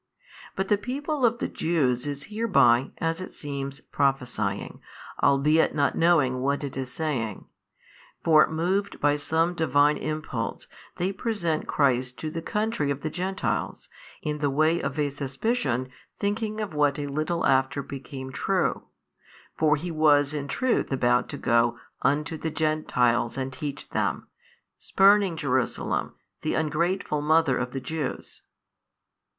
But the people of the Jews is hereby, as it seems, prophesying, albeit not knowing what it is saying. For moved by some Divine impulse they present Christ to the country of the Gentiles, in the way of a suspicion thinking of what a little after became true. For He was in truth about to go unto the Gentiles and teach them, spurning Jerusalem the ungrateful mother of the Jews.